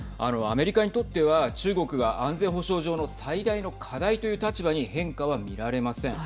アメリカにとっては中国が、安全保障上の最大の課題という立場に変化は見られません。